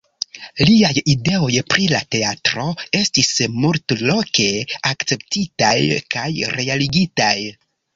Liaj ideoj pri la teatro estis multloke akceptitaj kaj realigitaj.